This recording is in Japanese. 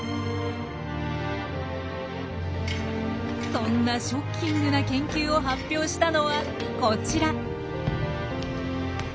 そんなショッキングな研究を発表したのはこちら。